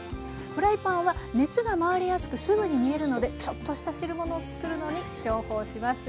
フライパンは熱が回りやすくすぐに煮えるのでちょっとした汁物をつくるのに重宝します。